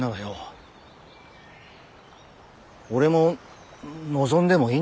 俺も望んでもいいのかね？